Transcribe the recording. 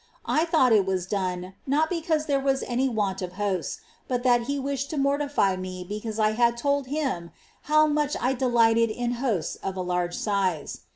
I thought it was done, not because there was any want of Hosts, but that he wished to mortify me because I had told him how much I delighted in Hosts of a large size.